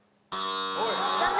残念！